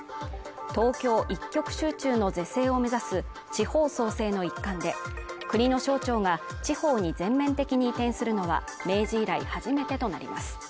東京一極集中の是正を目指す地方創生の一環で国の省庁が地方に全面的に移転するのは、明治以来初めてとなります。